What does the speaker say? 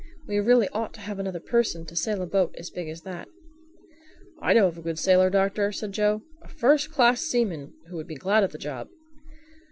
We really ought to have another person to sail a boat as big as that." "I know of a good sailor, Doctor," said Joe—"a first class seaman who would be glad of the job."